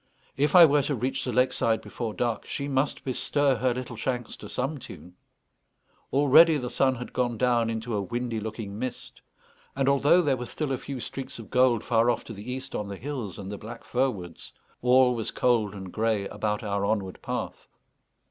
If I were to reach the lake side before dark she must bestir her little shanks to some tune. Already the sun had gone down into a windy looking mist; and although there were still a few streaks of gold far off to the east on the hills and the black fir woods, all was cold and grey about our onward path.